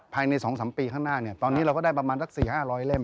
ภายใน๒๓ปีข้างหน้าตอนนี้เราก็ได้ประมาณสัก๔๕๐๐เล่ม